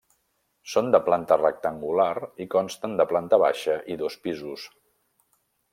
Són de planta rectangular i consten de planta baixa i dos pisos.